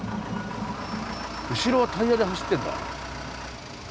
後ろはタイヤで走ってんだ。